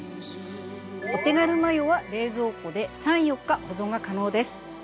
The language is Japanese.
お手軽マヨは冷蔵庫で３４日保存が可能です！